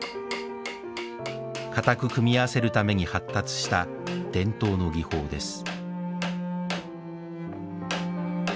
かたく組み合わせるために発達した伝統の技法です。